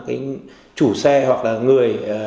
cái chủ xe hoặc là người